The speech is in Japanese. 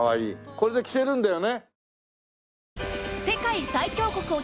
これで着せるんだよね？